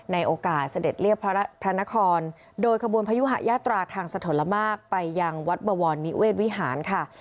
ในโอกาสเสด็จเรียบพระนครโดยขบวนพยุหะยาตราทางสะทนละมากไปยังวัดบวรนิเวศวิหารค่ะ